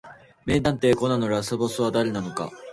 名探偵コナンのラスボスは誰なのか